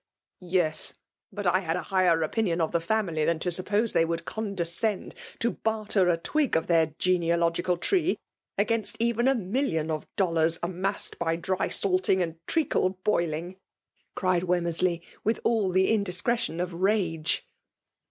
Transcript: " Yes ; but I had then a higher opitiien of the family than to suppose they would con descend to barter a twig of their genealogical tree against even a million of dollars, amassed by drysalting and treacle boiling!" cried Wemmcrsley, with all the indiscretion of rage.